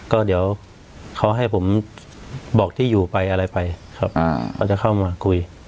ก็เดี๋ยวเขาให้ผมบอกที่อยู่ไปอะไรไปครับเขาจะเข้ามาคุย